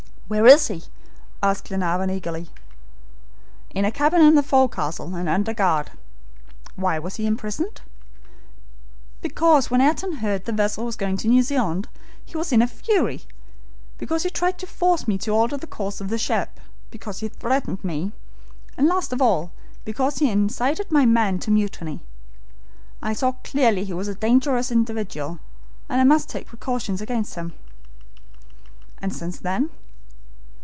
"Where is he?" asked Glenarvan eagerly. "In a cabin in the forecastle, and under guard." "Why was he imprisoned?" "Because when Ayrton heard the vessel was going to New Zealand, he was in a fury; because he tried to force me to alter the course of the ship; because he threatened me; and, last of all, because he incited my men to mutiny. I saw clearly he was a dangerous individual, and I must take precautions against him." "And since then?"